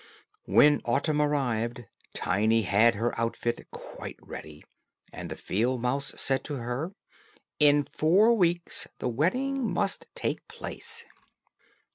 When autumn arrived, Tiny had her outfit quite ready; and the field mouse said to her, "In four weeks the wedding must take place."